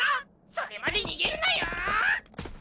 それまで逃げるなよ！！